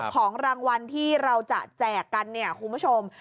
ของรางวัลที่เราจะแจกกันเนี่ยคุณผู้ชม